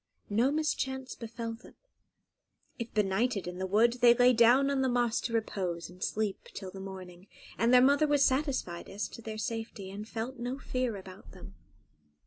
No mischance befell them; if benighted in the wood, they lay down on the moss to repose and sleep till the morning; and their mother was satisfied as to their safety, and felt no fear about them.